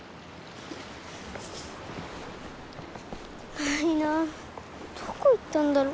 ないなあどこいったんだろう。